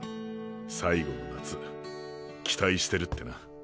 最後の夏期待してるってな。